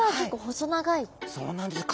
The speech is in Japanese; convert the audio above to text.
そうなんですね。